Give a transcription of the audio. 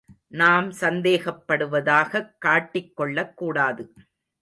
நாம் சந்தேகப்படுவதாகக் காட்டிக்கொள்ளக்கூடாது.